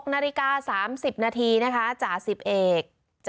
๑๖นาฬิกา๓๐นาทีนะคะจ๋า๑๐เอก